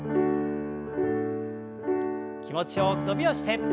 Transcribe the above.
気持ちよく伸びをして。